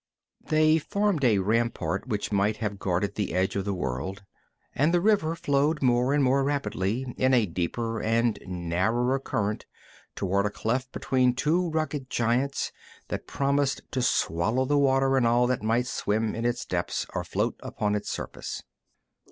They formed a rampart which might have guarded the edge of the world, and the river flowed more and more rapidly in a deeper and narrower current toward a cleft between two rugged giants that promised to swallow the water and all that might swim in its depths or float upon its surface.